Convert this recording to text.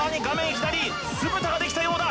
左酢豚ができたようだ